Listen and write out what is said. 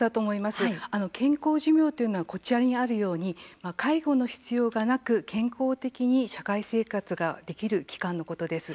健康寿命というのはこちらにあるように介護の必要がなく健康的に社会生活ができる期間のことです。